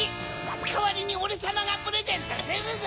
かわりにオレさまがプレゼントするぞ！